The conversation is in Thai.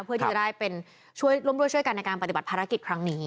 เพื่อที่จะได้เป็นช่วยร่วมด้วยช่วยกันในการปฏิบัติภารกิจครั้งนี้